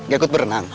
gak ikut berenang